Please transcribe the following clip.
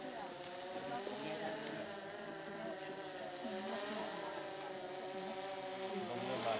เวียนหัวไม่มาหรอกลูกไม่มาหรอก